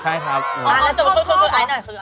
ใช่ครับอ๋อแล้วส่วนข้อคุยกับไอ้หน่อย